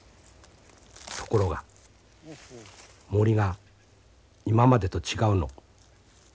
ところが森が今までと違うの。